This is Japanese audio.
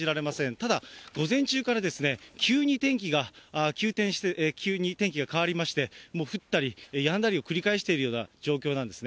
ただ、午前中から急に天気が変わりまして、もう降ったりやんだりを繰り返しているような状況なんですね。